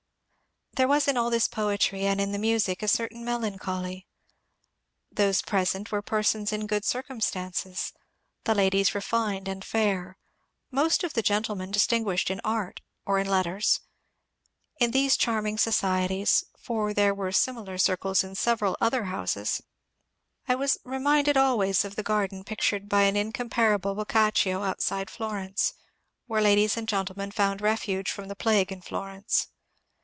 There was in all this poetry and in the music a certain melancholy. Those present were persons in good circum stances, the ladies refined and fair, most of the gentlemen distinguished in art or in letters. In these charming societies — for there were similar circles in several other houses — I was reminded always of the garden pictured by incompar able Boccaccio outside Florence, where ladies and gentlemen found refuge from the plague in Florence.